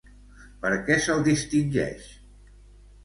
Per què se'l distingeix?